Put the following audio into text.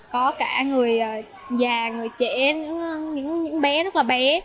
có cả người già người trẻ những bé rất là bé